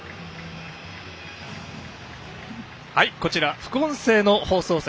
こちら副音声の放送席。